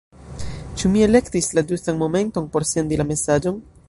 Ĉu mi elektis la ĝustan momenton por sendi la mesaĝon?